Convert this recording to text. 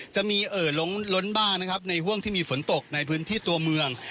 เอ่อล้นบ้างนะครับในห่วงที่มีฝนตกในพื้นที่ตัวเมือง